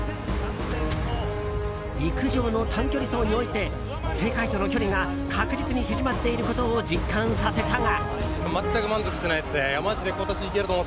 陸上の短距離走において世界との距離が確実に縮まっていることを実感させたが。